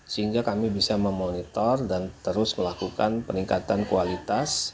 sehingga kami bisa memonitor dan terus melakukan peningkatan kualitas